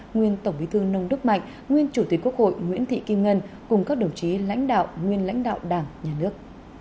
nguyên tổng bí thư nông đức mạnh nguyên chủ tịch quốc hội nguyễn thị kim ngân cùng các đồng chí lãnh đạo nguyên lãnh đạo đảng nhà nước